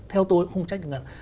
theo tôi không trách được ngân hàng